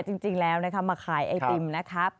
แต่จริงแล้วค่ะมาข่ายไอติ๊มนะคะ